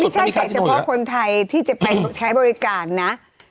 ตั้งแต่เฉพาะคนไทยที่จะไปใช้บริการนะ